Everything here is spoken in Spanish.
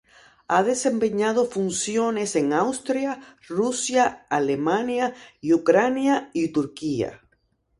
Ha desempeñado funciones en Austria, Rusia, Alemania y Ucrania y Turquía.